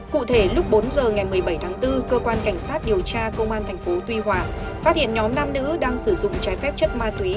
cụ thể lúc bốn h ngày một mươi bảy tháng bốn cơ quan cảnh sát điều tra công an tp tuy hòa phát hiện nhóm nam nữ đang sử dụng trái phép chất ma túy